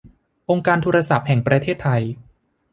องค์การโทรศัพท์แห่งประเทศไทย